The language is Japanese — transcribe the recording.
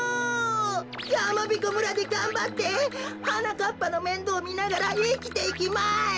やまびこ村でがんばってはなかっぱのめんどうみながらいきていきます。